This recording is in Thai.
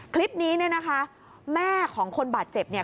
คลิปนี้เนี่ยนะคะแม่ของคนบาดเจ็บเนี่ย